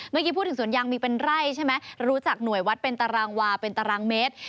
เมื่อกี้พูดถึงสวนยางมีเป็นไร่ใช่ไหมรู้จักหน่วยวัดเป็นตารางวาเป็นตารางเมตร